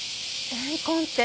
怨恨って。